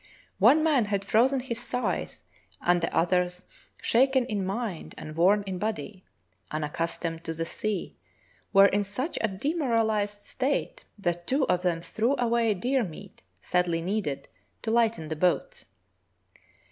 One man had frozen his thighs, and the others, Franklin on the Barren Grounds 19 shaken in mind and worn in body, unaccustomed to the sea, were in such a demoralized state that two of them threw away deer meat, sadly needed, to lighten the boats.